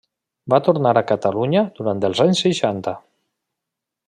Va tornar a Catalunya durant els anys seixanta.